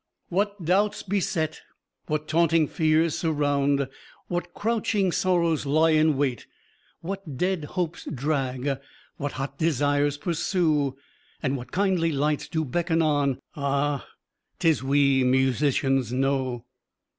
What doubts beset, what taunting fears surround, what crouching sorrows lie in wait, what dead hopes drag, what hot desires pursue, and what kindly lights do beckon on ah! "'tis we musicians know."